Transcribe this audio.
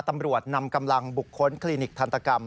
ตำรวจนำกำลังบุคคลคลินิกทันตกรรม